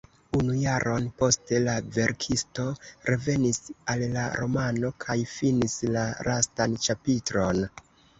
Unu jaron poste la verkisto revenis al la romano kaj finis la lastan ĉapitron.